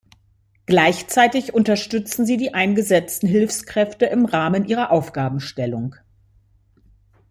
Gleichzeitig unterstützen sie die eingesetzten Hilfskräfte im Rahmen ihrer Aufgabenstellung.